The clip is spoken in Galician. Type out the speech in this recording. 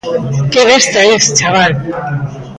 _¡Que besta es, chaval!